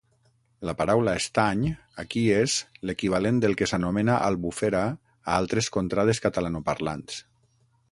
La paraula estany aquí és l'equivalent del que s'anomena albufera a altres contrades catalanoparlants.